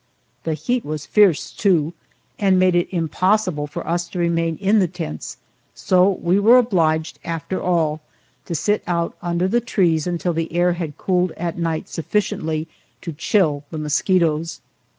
The heat was fierce, too, and made it impossible for us to remain in the tents, so we were obliged, after all, to sit out under the trees until the air had cooled at night sufficiently to chill the mosquitoes.